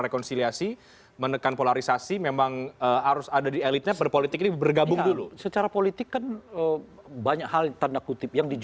ke andres rusaidya usai jeda berikut ini